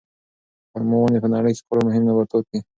خورما ونې په نړۍ کې خورا مهم نباتات دي.